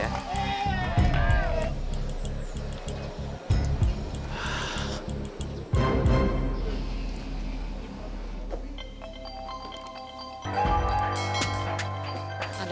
sampai jumpa lagi